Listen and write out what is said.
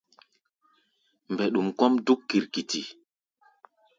Mbɛɗum kɔ́ʼm dúk kirkiti.